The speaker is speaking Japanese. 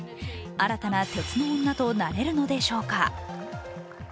新たな鉄の女となれるのでしょうか。